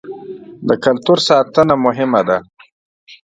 د کلتور ساتنه مهمه ده.